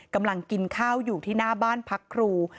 กำลังกินข้าวอยู่ที่หน้าบ้านพักครู